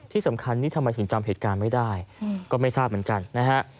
ที่สำคัญนี่ทำไมถึงจำเหตุการณ์ไม่ได้ก็ไม่ทราบเหมือนกันนะฮะ